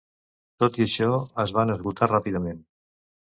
Tot i això, es van esgotar ràpidament.